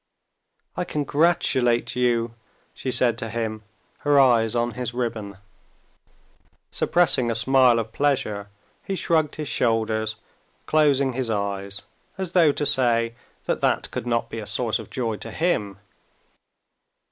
"I congratulate you," she said to him, her eyes on his ribbon. Suppressing a smile of pleasure, he shrugged his shoulders, closing his eyes, as though to say that that could not be a source of joy to him.